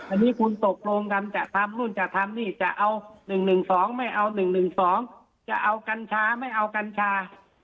อันนี้คุณตกลงกันจะทำนู่นจะทำนี่จะเอา๑๑๒ไม่เอา๑๑๒จะเอากัญชาไม่เอากัญชา